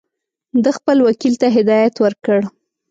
ده خپل وکیل ته هدایت ورکړ.